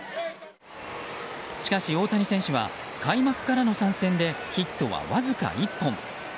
しかし、大谷選手は開幕からの３戦でヒットはわずか１本。